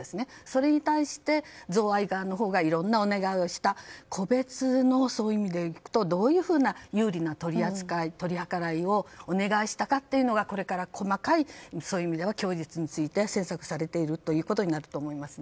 それに対して贈賄側のほうがいろんなお願いをした個別の、どういうふうな有利な取り計らいをお願いしたかというのがこれから細かい供述について詮索されているということになると思います。